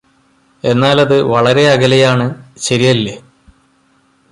എന്നാല് അത് വളരെ അകലെയാണ് ശരിയല്ലേ